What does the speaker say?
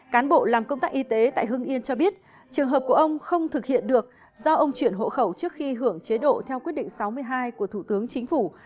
cán bộ làm công tác y tế tại hưng yên cho biết trường hợp của ông không thực hiện được do ông chuyển hộ khẩu trước khi hưởng chế độ theo quyết định sáu mươi hai của thủ tướng chính phủ